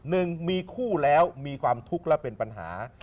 หนึ่งมีคู่แล้วมีความทุกข์และเป็นปัญหา